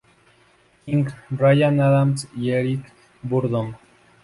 King, Ryan Adams, y Eric Burdon.